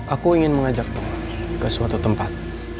aku ingin mengajakmu ke suatu tempat